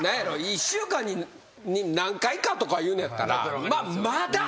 １週間に何回かとかいうのやったらまあまだ。